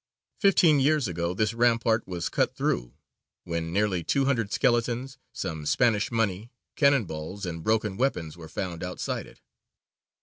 Fifteen years ago this rampart was cut through, when nearly two hundred skeletons, some Spanish money, cannon balls, and broken weapons were found outside it.